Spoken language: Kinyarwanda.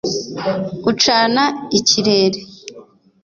ucana ikirere